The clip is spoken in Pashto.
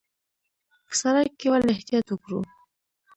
په سړک کې ولې احتیاط وکړو؟